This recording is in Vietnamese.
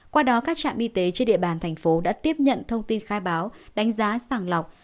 qua đó các trạm y tế trên địa bàn tp hcm đã tiếp nhận thông tin khai báo đánh giá sẵn lọc